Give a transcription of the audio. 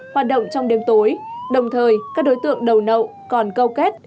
hoạt động trong đêm tối đồng thời các đối tượng đầu nậu còn câu kết